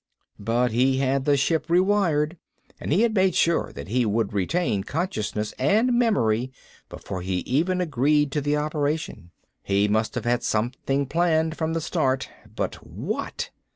"But he had the ship rewired, and he had made sure that he would retain consciousness and memory before he even agreed to the operation. He must have had something planned from the start. But what?"